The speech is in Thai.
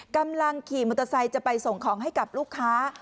กำลังขี่มอเตอร์ไซค์จะไปส่งของให้กับลูกค้า